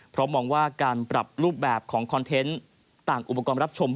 เพราะมองว่าการปรับรูปแบบของคอนเทนต์ต่างอุปกรณ์รับชม